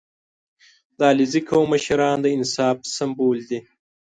• د علیزي قوم مشران د انصاف سمبول دي.